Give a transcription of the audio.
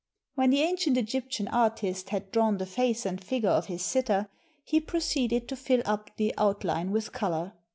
When the ancient Egyptian artist had drawn the face and figure of his sitter, he proceeded to fill up the out line with color.